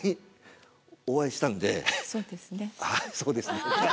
そうですね。